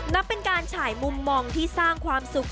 นับเป็นการฉายมุมมองที่สร้างความสุข